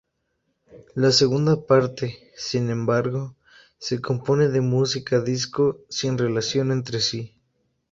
La segunda parte, sin embargo, se compone de música disco, sin relación entre sí.